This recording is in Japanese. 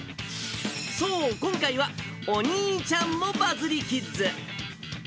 そう、今回はお兄ちゃんもバズリキッズ。